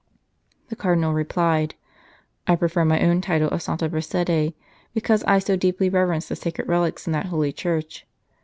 The Cardinal replied :" I prefer my own title of Santa Prassede, because I so deeply reverence the sacred relics in that holy church.